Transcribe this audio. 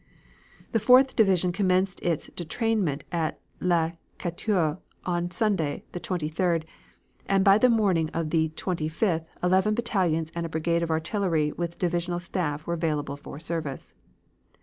"The Fourth Division commenced its detrainment at Le Cateau on Sunday, the 23d, and by the morning of the 25th eleven battalions and a brigade of artillery with divisional staff were available for service.